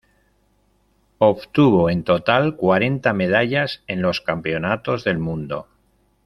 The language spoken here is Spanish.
Obtuvo en total cuarenta medallas en los campeonatos del mundo.